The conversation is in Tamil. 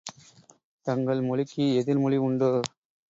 தங்கள் மொழிக்கு எதிர் மொழி உண்டோ?